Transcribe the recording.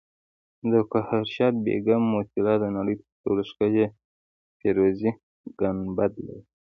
د ګوهرشاد بیګم موسیلا د نړۍ تر ټولو ښکلي فیروزي ګنبد لري